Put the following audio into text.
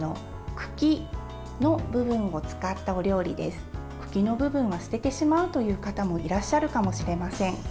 茎の部分は捨ててしまうという方もいらっしゃるかもしれません。